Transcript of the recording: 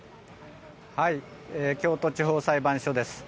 京都地方裁判所です。